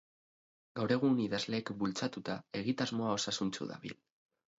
Gaur egun, idazleek bultzatuta, egitasmoa osasuntsu dabil.